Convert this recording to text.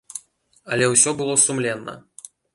Але ўсё было сумленна.